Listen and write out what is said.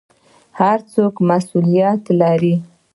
هر څوک مسوولیت لري